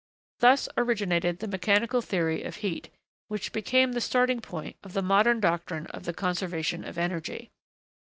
Thus originated the mechanical theory of heat, which became the starting point of the modern doctrine of the conservation of energy.